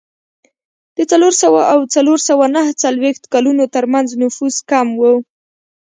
د څلور سوه او څلور سوه نهه څلوېښت کلونو ترمنځ نفوس کم و